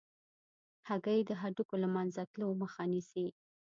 هګۍ د هډوکو له منځه تلو مخه نیسي.